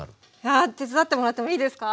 あ手伝ってもらってもいいですか？